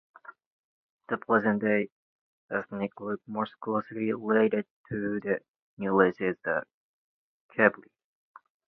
The present-day ethnic group most closely related to the new race is the Kabyle.